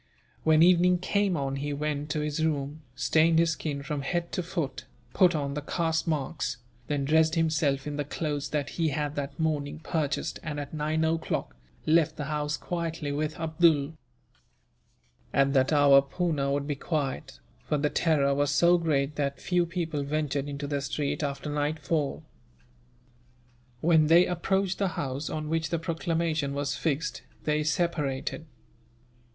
When evening came on, he went to his room, stained his skin from head to foot, put on the caste marks, then dressed himself in the clothes that he had that morning purchased and, at nine o'clock, left the house quietly with Abdool. At that hour Poona would be quiet, for the terror was so great that few people ventured into the street after nightfall. When they approached the house on which the proclamation was fixed, they separated.